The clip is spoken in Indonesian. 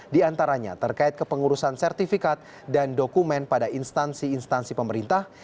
di antaranya terkait kepengurusan sertifikat dan dokumen pada instansi instansi pemerintah